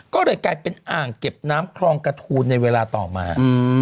ก็เลยกลายเป็นอ่างเก็บน้ำคลองกระทูลในเวลาต่อมา